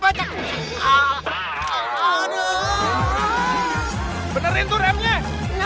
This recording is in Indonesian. benerin tuh remnya